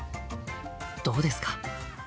どうですか？